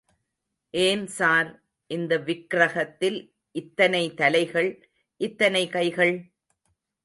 ஏன் சார், இந்த விக்ரகத்தில் இத்தனை தலைகள், இத்தனை கைகள்?